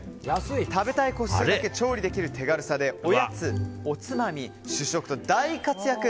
食べたい個数だけ調理できる手軽さでおやつ、おつまみ、主食と大活躍。